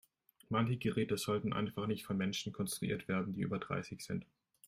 Manche Geräte sollten einfach nicht von Menschen konstruiert werden, die über dreißig sind.